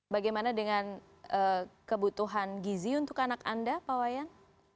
bagaimana dengan kebutuhan gizi untuk anak anda pak wayan